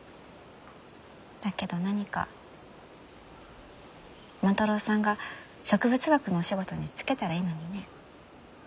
だけど何か万太郎さんが植物学のお仕事に就けたらいいのにね。